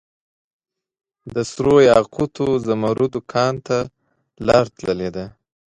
دسرو یاقوتو ، زمردو کان ته لار تللي ده